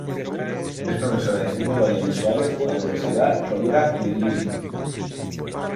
Es profesora de cine y audiovisuales en la Universidad Rovira i Virgili.